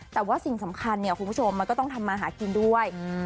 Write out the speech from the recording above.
แต่ว่าสิ่งสำคัญเนี่ยคุณผู้ชมมันก็ต้องทำมาหากินด้วย